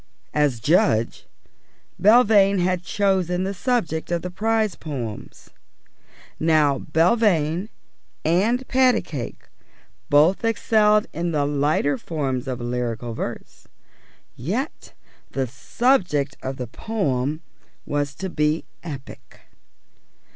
As judge, Belvane had chosen the subject of the prize poems. Now Belvane and Patacake both excelled in the lighter forms of lyrical verse; yet the subject of the poem was to be epic.